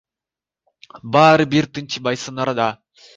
Баары бир тынчыбайсыңар да.